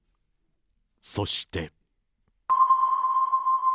そして。